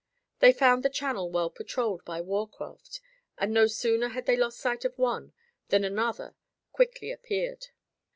They found the channel well patrolled by war craft and no sooner had they lost sight of one, than another quickly appeared.